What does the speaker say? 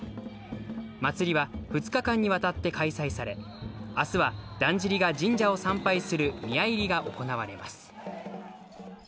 祭りは、２日間にわたって開催され、あすはだんじりが神社を参拝する宮入りが行われます。